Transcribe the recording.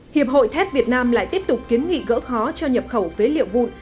hiệp hội thép việt nam lại tiếp tục kiến nghị gỡ khó cho nhập khẩu phế liệu vụn